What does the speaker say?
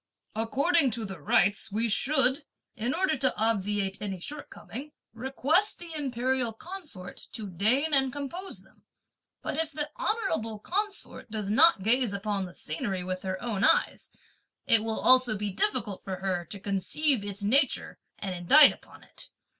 According to the rites, we should, in order to obviate any shortcoming, request the imperial consort to deign and compose them; but if the honourable consort does not gaze upon the scenery with her own eyes, it will also be difficult for her to conceive its nature and indite upon it!